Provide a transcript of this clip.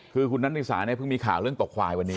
คือคุณนัทนิสาเนี่ยเพิ่งมีข่าวเรื่องตกควายวันนี้